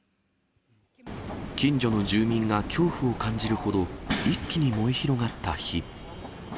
近所の住民が恐怖を感じるほど一気に燃え広がった日。